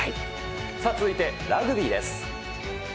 続いてラグビーです。